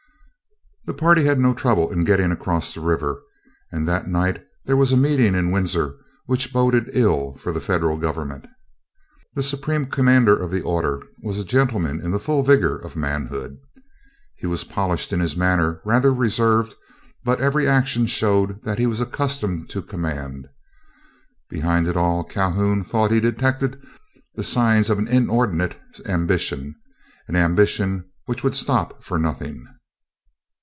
The party had no trouble in getting across the river, and that night there was a meeting in Windsor which boded ill for the Federal government. The Supreme Commander of the order was a gentleman in the full vigor of manhood. He was polished in his manner, rather reserved, but every action showed that he was accustomed to command. Behind it all Calhoun thought that he detected the signs of an inordinate ambition—an ambition which would stop for nothing.